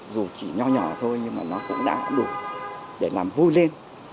dù chỉ nho nhỏ thôi nhưng nó cũng đã đủ để làm vui lên